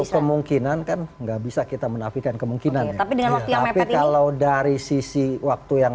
kemungkinan kan nggak bisa kita menafikan kemungkinan ya tapi kalau dari sisi waktu yang